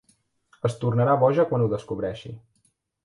Es tornarà boja quan ho descobreixi.